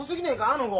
あの子。